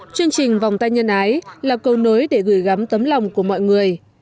chương trình vòng tay nhân ái là câu nối để gửi gắm tấm lòng của mọi người